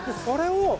それを。